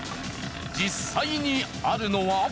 実際にあるのは。